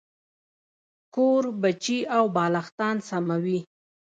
کوربچې او بالښتان سموي.